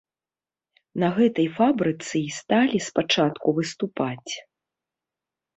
На гэтай фабрыцы і сталі спачатку выступаць.